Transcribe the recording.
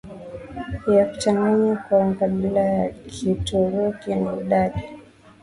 ya kuchanganywa kwa makabila ya Kituruki na idadi